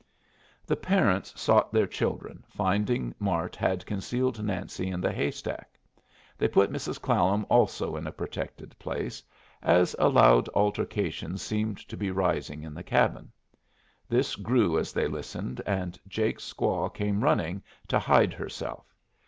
The parents sought their children, finding Mart had concealed Nancy in the haystack. They put Mrs. Clallam also in a protected place, as a loud altercation seemed to be rising at the cabin; this grew as they listened, and Jake's squaw came running to hide herself.